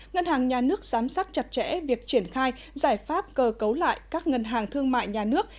ngân hàng nhà nước giám sát chặt chẽ việc triển khai giải pháp cơ cấu lại các ngân hàng thương mại nhà nước